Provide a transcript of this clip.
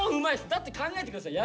だって考えて下さい。